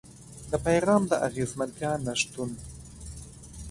د پيغام د اغېزمنتيا نشتون.